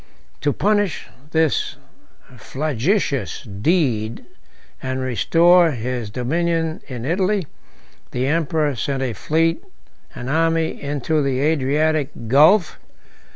To punish this flagitious deed, and restore his dominion in Italy, the emperor sent a fleet and army into the Adriatic Gulf.